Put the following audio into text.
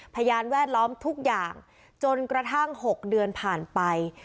พยานแวดล้อมทุกอย่างจนกระทั่ง๖เดือนผ่านไป